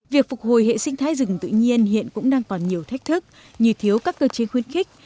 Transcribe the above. với hệ sinh thái rừng tự nhiên hiện cũng đang còn nhiều thách thức như thiếu các cơ chế khuyến khích